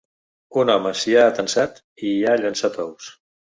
Un home s’hi ha atansat i hi ha llançat ous.